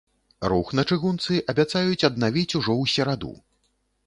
Рух на чыгунцы абяцаюць аднавіць ўжо ў сераду.